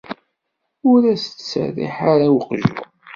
Ur as-d-ttserriḥ ara i weqjun.